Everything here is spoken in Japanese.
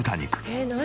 「えっ何？